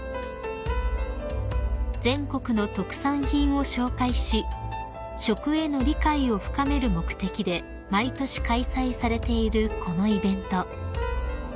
［全国の特産品を紹介し食への理解を深める目的で毎年開催されているこのイベント］